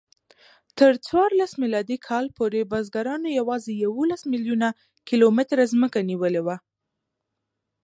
تر څوارلس میلادي کال پورې بزګرانو یواځې یوولس میلیونه کیلومتره ځمکه نیولې وه.